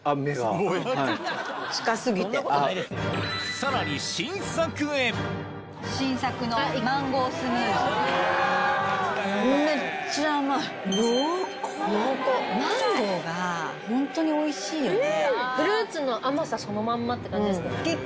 さらにマンゴーがホントにおいしいよね。